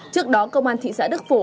trước đó công an thị xã đức phổ